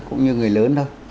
cũng như người lớn thôi